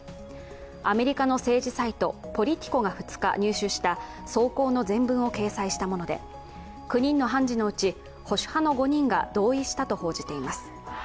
アメリカの政治サイトポリティコが２日、入手した草稿の全文を掲載したもので、９人の判事のうち保守派の５人が同意したと報じています。